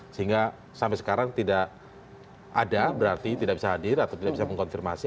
sehingga sampai sekarang tidak ada berarti tidak bisa hadir atau tidak bisa mengkonfirmasi